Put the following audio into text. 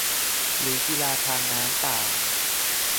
หรือกีฬาทางน้ำต่าง